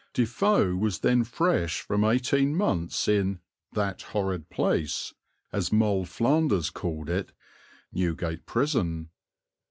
Defoe was then fresh from eighteen months in "that horrid place," as Moll Flanders called it, Newgate Prison.